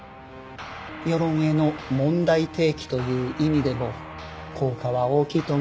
世論への問題提起という意味でも効果は大きいと思いますよ。